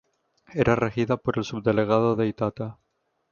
Era regida por el Subdelegado de Itata.